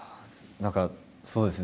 何かそうですね。